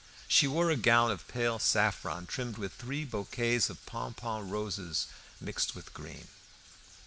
She wore a gown of pale saffron trimmed with three bouquets of pompon roses mixed with green.